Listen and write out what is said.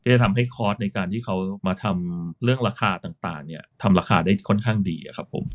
จะทำให้คอร์สในการที่เขามาทำเรื่องราคาต่างเนี่ยทำราคาได้ค่อนข้างดีครับผม